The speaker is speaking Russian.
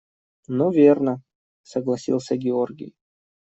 – Ну, верно, – согласился Георгий.